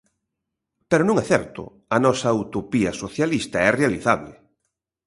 Pero non é certo, a nosa utopía socialista é realizable.